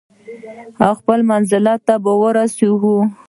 او خپل منزل ته ورسیږو.